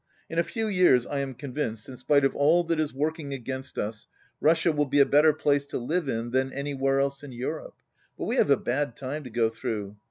In a few years, I am convinced, in spite 86 of all that is working against us, Russia will be a better place to live in than anywhere else in Eu rope. But we have a bad time to go through.